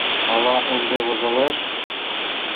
Ала ынде вожылеш?!»